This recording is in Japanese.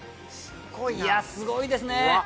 いやすごいですね。